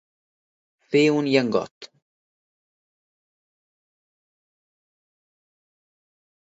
Fer un llengot.